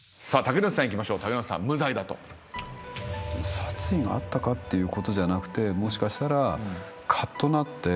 殺意があったかということじゃなくてもしかしたらかっとなって。